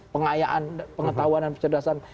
pengetahuan dan pencerdasan